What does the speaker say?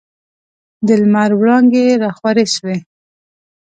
د لمر وړانګي راخورې سوې.